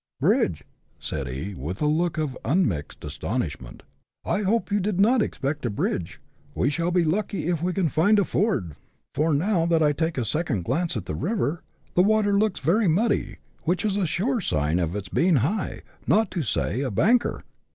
" Bridge !" said E , with a look of unmixed astonishment ;'' I hope you did not expect a bridge ; we shall be lucky if we can find a ford, for, now that I take a second glance at the river, CHAP. XII.] DESCENT OF "THE GULF." 129 its waters look very muddy, which is a sure sign of its being high, not to say a ' banker.'